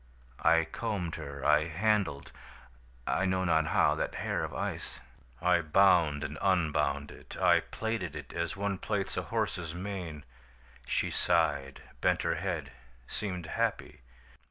"I combed her, I handled, I know not how, that hair of ice. I bound and unbound it; I plaited it as one plaits a horse's mane. She sighed, bent her head, seemed happy.